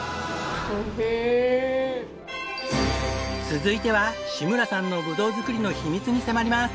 続いては志村さんのぶどう作りの秘密に迫ります。